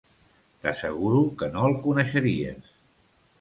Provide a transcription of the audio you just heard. T'asseguro que no el coneixeries.